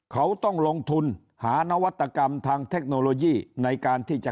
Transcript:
เขาต้องลงทุนหานวัตกรรมทางเทคโนโลยีในการที่จะ